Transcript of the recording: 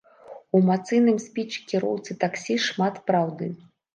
У эмацыйным спічы кіроўцы таксі шмат праўды.